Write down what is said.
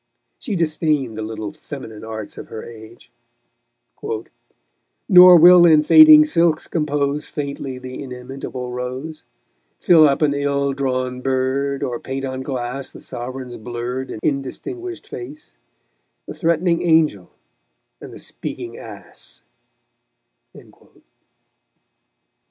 She disdained the little feminine arts of her age: _Nor will in fading silks compose Faintly the inimitable rose, Fill up an ill drawn bird, or paint on glass The Sovereign's blurr'd and indistinguished face, The threatening angel and the speaking ass_.